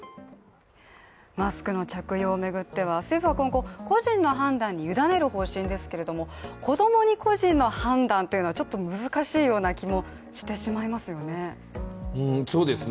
マスクの着用を巡っては政府は今後個人の判断に委ねる方針ですけれども子供に個人の判断というのはちょっと難しいような気もしてしまいますよね